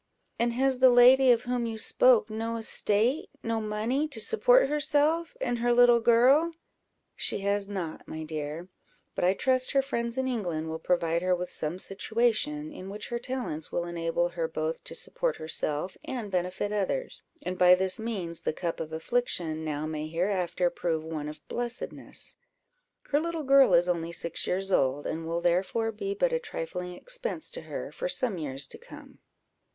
"And has the lady of whom you spoke no estate, no money, to support herself and her little girl?" "She has not, my dear; but I trust her friends in England will provide her with some situation, in which her talents will enable her both to support herself and benefit others; and by this means the cup of affliction now may hereafter prove one of blessedness: her little girl is only six years old, and will therefore be but a trifling expense to her for some years to come."